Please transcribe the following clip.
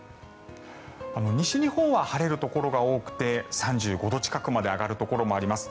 西日本は晴れるところが多くて３５度近くまで上がるところがあります。